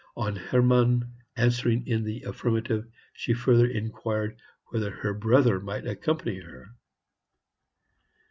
On Hermann answering in the affirmative, she further inquired whether her brother might accompany her.